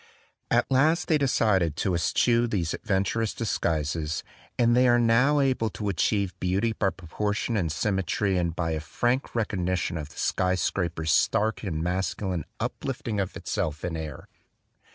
At last they decided to eschew these adventi tious disguises; and they are now able to achieve beauty by proportion and symmetry and by a frank recognition of the sky scraper's stark and masculine uplifting of itself in air.